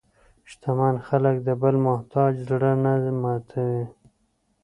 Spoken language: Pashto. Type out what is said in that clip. شتمن خلک د بل محتاج زړه نه ماتوي.